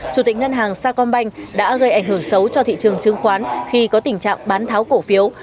chủ tịch ngân hàng sa công banh đã gây ảnh hưởng xấu cho thị trường chứng khoán khi có tình trạng bán tháo cổ phiếu